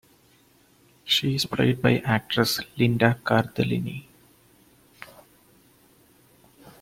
She is played by actress Linda Cardellini.